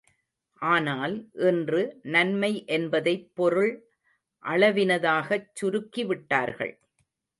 ஆனால், இன்று நன்மை என்பதைப் பொருள் அளவினதாகச் சுருக்கி விட்டார்கள்.